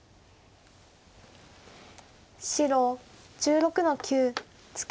白１６の九ツケ。